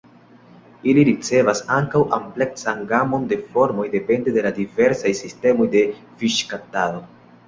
Ili ricevas ankaŭ ampleksan gamon de formoj depende de la diversaj sistemoj de fiŝkaptado.